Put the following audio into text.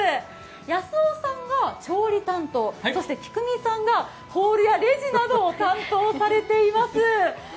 康雄さんが調理担当、そして喜久美さんがホールやレジなどを担当されています。